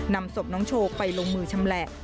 นำศพน้องโชว์ไปลงมือชำแหละ